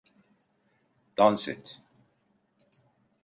Dans et!